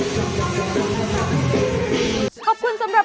สวัสดีครับ